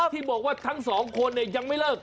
ที่บอกว่าทั้งสองคนยังไม่เลิก